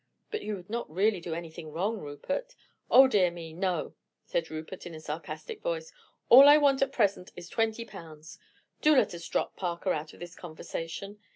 "But you would not really do anything wrong, Rupert?" "Oh, dear me, no!" said Rupert in a sarcastic voice; "all I want at present is twenty pounds. Do let us drop Parker out of this conversation.